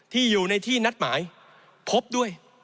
ที่อยู่ในที่นัดหมายพบด้วย